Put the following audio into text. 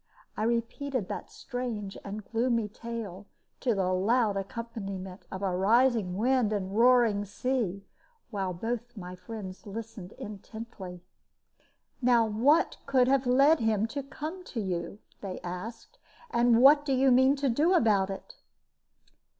I repeated that strange and gloomy tale, to the loud accompaniment of a rising wind and roaring sea, while both my friends listened intently. "Now what can have led him so to come to you?" they asked; "and what do you mean to do about it?"